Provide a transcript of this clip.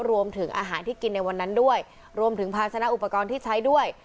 รวมถึงอาหารที่กินในวันนั้นด้วยรวมถึงภาษณะอุปกรณ์ที่ใช้ด้วย